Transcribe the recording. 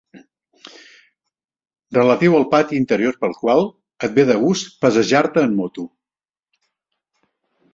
Relatiu al pati interior pel qual et ve de gust passejar-te en moto.